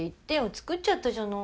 作っちゃったじゃない。